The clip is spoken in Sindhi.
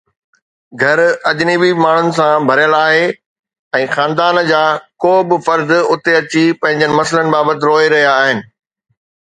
گهر اجنبي ماڻهن سان ڀريل آهي ۽ خاندان جا ڪو به فرد اتي اچي پنهنجن مسئلن بابت روئي رهيا آهن